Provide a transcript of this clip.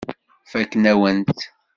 Fakken-awen-tt.